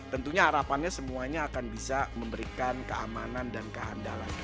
tentunya harapannya semuanya akan bisa memberikan keamanan dan keandalan